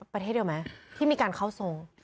ประเทศเดียวไหมที่มีการเข้าทรง